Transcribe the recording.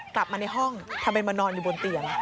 กลับมาในห้องทำไมมานอนอยู่บนเตียง